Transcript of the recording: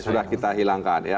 sudah kita hilangkan ya